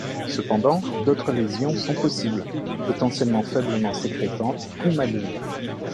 Cependant, d'autres lésions sont possibles, potentiellement faiblement sécrétantes ou malignes.